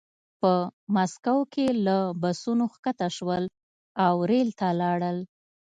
په مسکو کې له بسونو ښکته شول او ریل ته لاړل